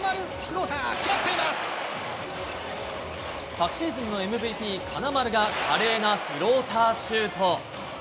昨シーズンのＭＶＰ金丸が華麗なフローターシュート！